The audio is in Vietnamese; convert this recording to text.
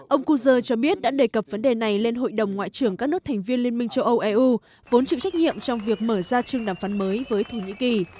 ông kuzer cho biết đã đề cập vấn đề này lên hội đồng ngoại trưởng các nước thành viên liên minh châu âu eu vốn chịu trách nhiệm trong việc mở ra trường đàm phán mới với thổ nhĩ kỳ